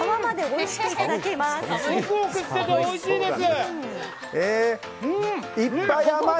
おいしいです！